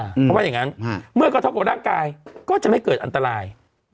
เพราะว่าอย่างนั้นเมื่อกระทบกับร่างกายก็จะไม่เกิดอันตราย